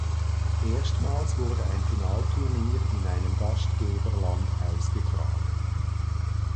Erstmals wurde ein Finalturnier in einem Gastgeberland ausgetragen.